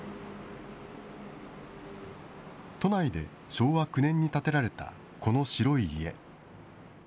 都内で、昭和９年に建てられたこの白い家。